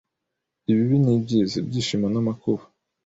ibibi n’ibyiza, ibyishimo n’amakuba.